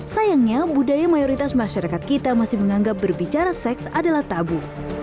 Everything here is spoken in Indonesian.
sayangnya budaya mayoritas masyarakat kita masih menganggap berbicara seks adalah tabu